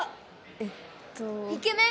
えっとイケメン？